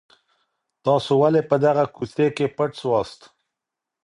تاسي ولي په دغه کوڅې کي پټ سواست؟